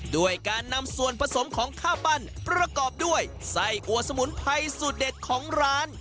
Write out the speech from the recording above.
ด้วยการนำส่วนผสมของข้าวปั้นประกอบด้วยไส้อัวสมุนไพรสูตรเด็ดของร้าน